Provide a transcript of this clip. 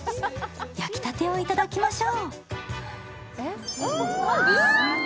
焼きたてをいただきましょう。